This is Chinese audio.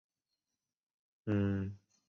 他在诺斯威奇的威顿文法学校受教育。